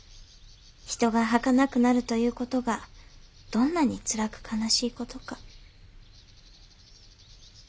人がはかなくなるという事がどんなにつらく悲しい事か。